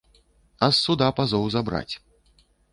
А з суда пазоў забраць.